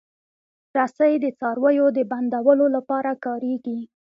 رسۍ د څارویو د بندولو لپاره کارېږي.